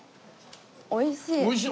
おいしい？